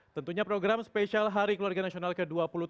tentunya program spesial hari keluarga nasional ke dua puluh tujuh